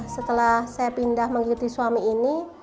setelah saya pindah mengikuti suami ini